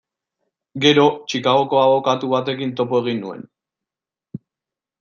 Gero, Chicagoko abokatu batekin topo egin nuen.